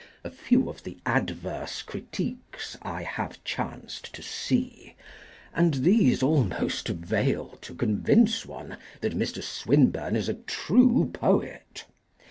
A few of the adverse critiques I have chanced to see, and these almost avail to convince one that Mr. Swinburne is a true poet.